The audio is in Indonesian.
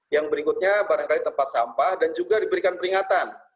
yang berikutnya barangkali tempat sampah dan juga diberikan peringatan